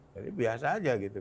jadi biasa aja gitu